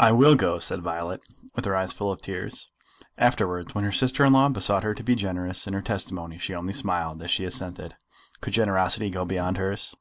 "I will go," said Violet, with her eyes full of tears. Afterwards when her sister in law besought her to be generous in her testimony, she only smiled as she assented. Could generosity go beyond hers?